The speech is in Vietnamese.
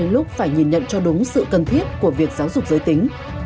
lúc phải nhìn nhận cho đúng sự cần thiết của việc giáo dục giới tính